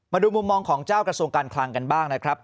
มาดูมุมมองของเจ้ากระทรวงการคลังกันบ้างนะครับ